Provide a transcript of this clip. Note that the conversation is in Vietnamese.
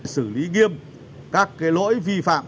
xử lý nghiêm các cái lỗi vi phạm